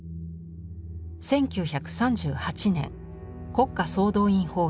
１９３８年国家総動員法が施行。